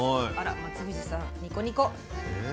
松藤さん、ニコニコ。